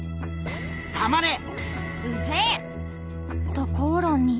と口論に。